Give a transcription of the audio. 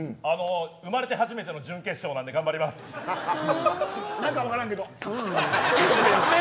生まれて初めての準決勝なんで何か分からんけど。